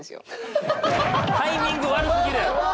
タイミング悪すぎるやろ。